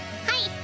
はい。